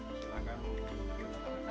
sekitar ada tujuh puluh lima an